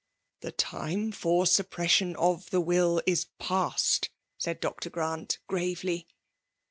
'' The time for the suppression of the will is past,'' said Dr. Grant, gravely.